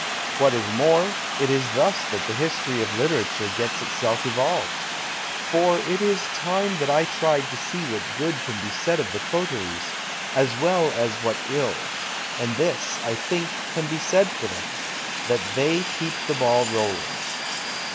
\Vhat is more, it is thus that the history of litera ture gets itself evolved. For it is time that I tried to see what good can be said of the coteries, as well as what ill, and this, I think, can be said for them — that they keep the ball rolling.